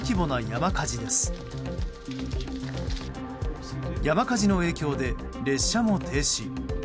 山火事の影響で列車も停止。